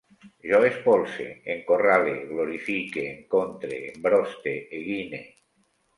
Jo espolse, encorrale, glorifique, encontre, embroste, eguine